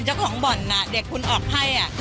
ปากกับภาคภูมิ